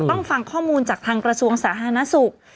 ฟังข้อมูลจากทางกระทรวงสาธารณสุข